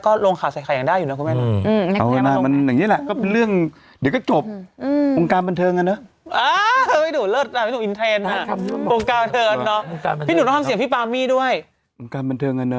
ก็ลงขาวใส่ใข่อย่างได้อยู่นะคุณแม่